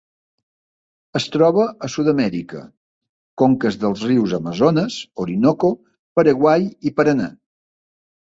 Es troba a Sud-amèrica: conques dels rius Amazones, Orinoco, Paraguai i Paranà.